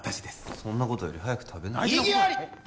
そんなことより早く食べな異議あり！